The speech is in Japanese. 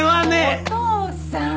お父さん！